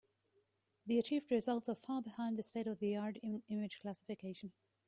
The achieved results are far behind the state-of-the-art in image classification.